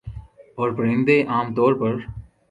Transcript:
اورپرندے عام طور پر